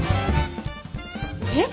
えっ？